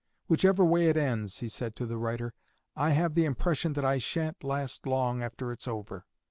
'Whichever way it ends,' he said to the writer, 'I have the impression that I sha'n't last long after it's over.'